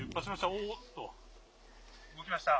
おーっと、動きました。